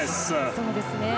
そうですね。